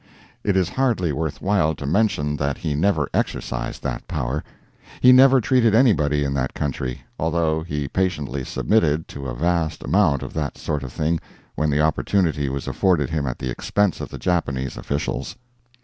It is hardly worthwhile to mention that he never exercised that power; he never treated anybody in that country, although he patiently submitted to a vast amount of that sort of thing when the opportunity was afforded him at the expense of the Japanese officials.